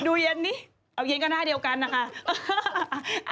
ดูเย็นนี้เอาเย็นก็หน้าเดียวกันนะคะ